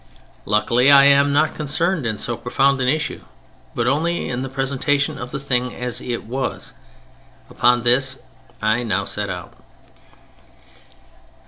Luckily I am not concerned in so profound an issue, but only in the presentation of the thing as it was. Upon this I now set out.